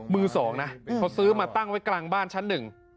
มือสองนะเขาซื้อมาตั้งไว้กลางบ้านชั้นหนึ่ง